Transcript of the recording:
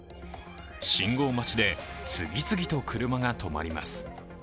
信号待ちで次々と車が止まります。